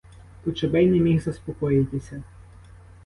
Кочубей не міг заспокоїтися.